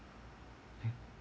えっ？